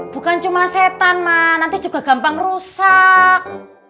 bukan cuma setan mah nanti juga gampang rusak